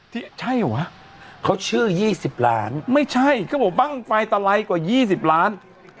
ที่ใช่หวะเขาชื่อยี่สิบล้านไม่ใช่เขาบอกบั้งไฟตะไลล์กว่ายี่สิบล้าน